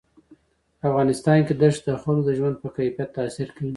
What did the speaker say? په افغانستان کې دښتې د خلکو د ژوند په کیفیت تاثیر کوي.